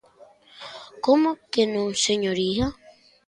¿Como que non, señoría?